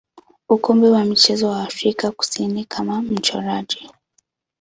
ukumbi wa michezo wa Afrika Kusini kama mchoraji.